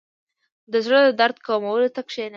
• د زړۀ د درد کمولو ته کښېنه.